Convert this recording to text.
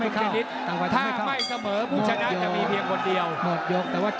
ออกใครครับเดี๋ยวดูเลย